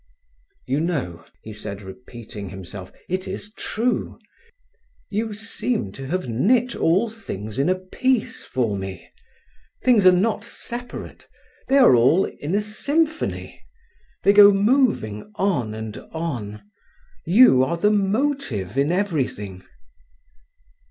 "You know," he said, repeating himself, "it is true. You seem to have knit all things in a piece for me. Things are not separate; they are all in a symphony. They go moving on and on. You are the motive in everything."